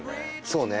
そうね